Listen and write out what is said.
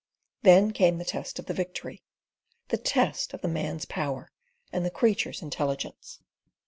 Then came the test of the victory—the test of the man's power and the creature's intelligence.